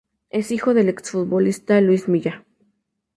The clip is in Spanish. Es hijo del exfutbolista Luis Milla.